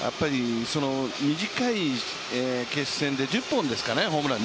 短い決戦で１０本ですかね、ホームラン。